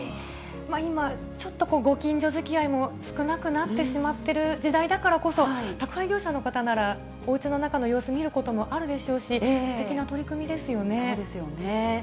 今、ちょっとご近所づきあいも少なくなってしまってる時代だからこそ、宅配業者の方なら、おうちの中の様子見ることもあるでしょうし、そうですよね。